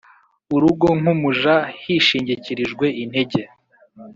urugo nk umuja hishingikirijwe intege